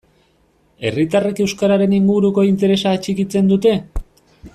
Herritarrek euskararen inguruko interesa atxikitzen dute?